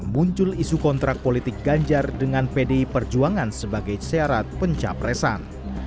muncul isu kontrak politik ganjar dengan pdi perjuangan sebagai syarat pencapresan